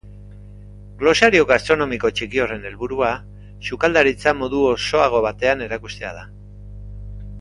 Glosario gastronomiko txiki horren helburua sukaldaritza modu osoago batean erakustea da.